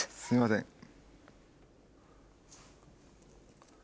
すいません。